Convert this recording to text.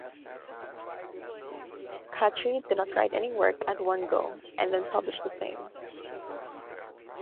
Khatri did not write any work at one go and then publish the same.